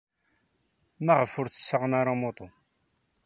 Maɣef ur d-tessaɣem ara amuṭu?